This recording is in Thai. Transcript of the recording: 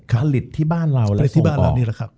ผลิตที่บ้านเราและส่งออก